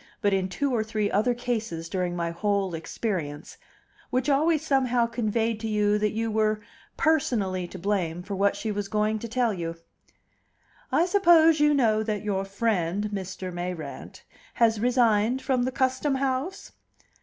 but in two or three other cases during my whole experience), which always somehow conveyed to you that you were personally to blame for what she was going to tell you. "I suppose you know that your friend, Mr. Mayrant, has resigned from the Custom House?"